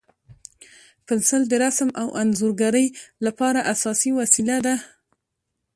پنسل د رسم او انځورګرۍ لپاره اساسي وسیله ده.